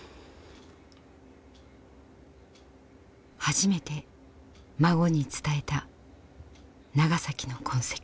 初めて孫に伝えた「ナガサキ」の痕跡。